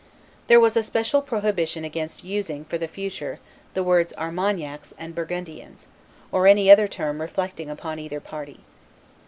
There was a special prohibition against using, for the future, the words Armagnacs and Burgundians, or any other term reflecting upon either party.